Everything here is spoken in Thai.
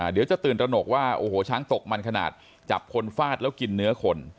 เดี๋ยวจะตื่นตระหนกว่าโอ้โหช้างตกมันขนาดจับคนฟาดแล้วกินเนื้อคน